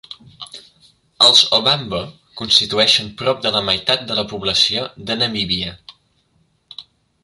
Els ovambo constitueixen prop de la meitat de la població de Namíbia.